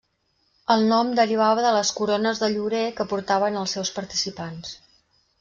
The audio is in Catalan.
El nom derivava de les corones de llorer que portaven els seus participants.